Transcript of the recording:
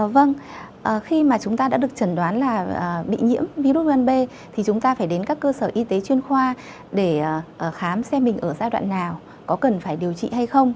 vâng khi mà chúng ta đã được chẩn đoán là bị nhiễm virus gan b thì chúng ta phải đến các cơ sở y tế chuyên khoa để khám xem mình ở giai đoạn nào có cần phải điều trị hay không